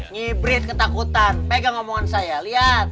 nge breath ketakutan pegang omongan saya lihat